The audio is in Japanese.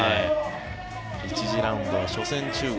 １次ラウンドは初戦、中国